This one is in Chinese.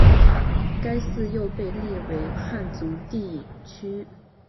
该寺又被列为汉族地区佛教全国重点寺院。